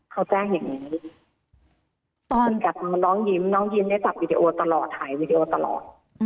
เขาแจ้งอย่างนี้ตอนกลับน้องยิ้มน้องยิ้มเนี่ยจับวิดีโอตลอดถ่ายวีดีโอตลอด